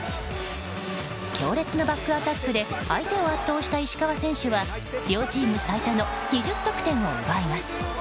強烈なバックアタックで相手を圧倒した石川選手は両チーム最多の２０得点を奪います。